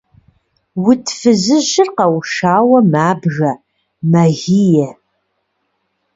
Уд фызыжьыр къэушауэ мабгэ, мэгие.